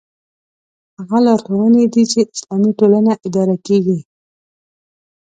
هغه لارښوونې دي چې اسلامي ټولنه اداره کېږي.